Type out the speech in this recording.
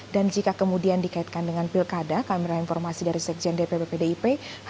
dan jika kemudian dikaitkan dengan pilkada kamera informasi dari sekjen dpp pdip